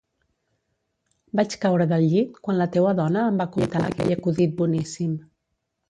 Vaig caure del llit quan la teua dona em va contar aquell acudit boníssim